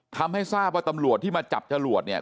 ทำให้ทราบว่าตำรวจที่มาจับจรวดเนี่ย